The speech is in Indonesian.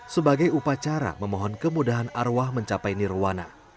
sebagai upacara memohon kemudahan arwah mencapai nirwana